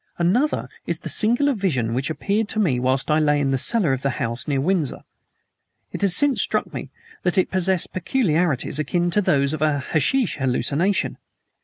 Another is the singular vision which appeared to me whilst I lay in the cellar of the house near Windsor. It has since struck me that it possessed peculiarities akin to those of a hashish hallucination.